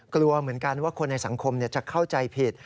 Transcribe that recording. กลัวเหมือนกันว่าคนในสังคมจะเข้าใจผิด